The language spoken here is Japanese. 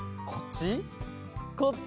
こっち？